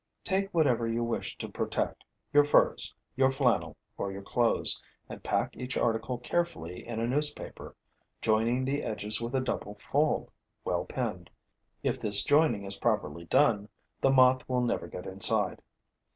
Take whatever you wish to protect your furs, your flannel or your clothes and pack each article carefully in a newspaper, joining the edges with a double fold, well pinned. If this joining is properly done, the Moth will never get inside.